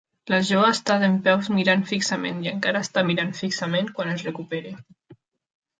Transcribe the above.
La Jo està dempeus mirant fixament i encara està mirant fixament quan es recupera.